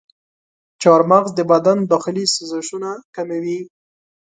چارمغز د بدن داخلي سوزشونه کموي.